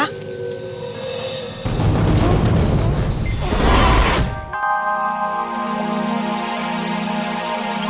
tidak ada apa apa